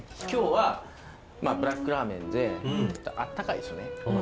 今日はまあブラックラーメンで温かいですよね。